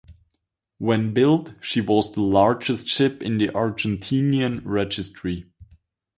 When built she was the largest ship in the Argentinian registry.